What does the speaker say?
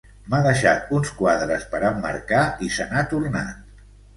M'ha deixat uns quadres per emmarcar i se n'ha tornat